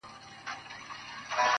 ښه نیت زړونه نږدې کوي.